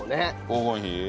黄金比。